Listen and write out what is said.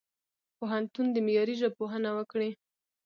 پوهنتون دي معیاري ژبپوهنه وکړي.